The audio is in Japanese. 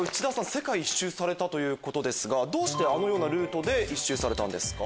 世界一周されたということですがどうしてあのようなルートで一周されたんですか？